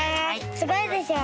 すごいでしょ。